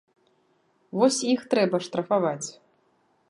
Вось іх трэба штрафаваць!